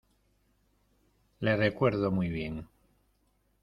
le recuerdo muy bien.